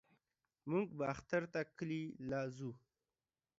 موږ به اختر ته کلي له زو.